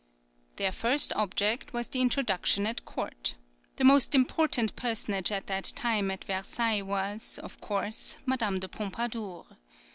Their first object was the introduction at court. The most important personage at that time at Versailles was, of course, Madame de Pompadour.